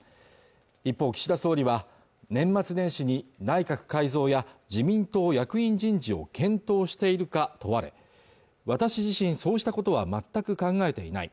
一方岸田総理は年末年始に内閣改造や自民党役員人事を検討しているか問われ私自身そうしたことは全く考えていない